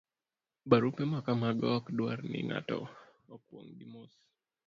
Barupe ma kamago ok dwar ni ng'ato okwong gi mos